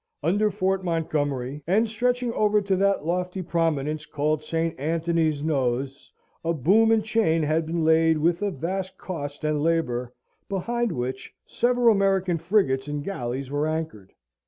Under Fort Montgomery, and stretching over to that lofty prominence, called Saint Antony's Nose, a boom and chain had been laid with a vast cost and labour, behind which several American frigates and galleys were anchored.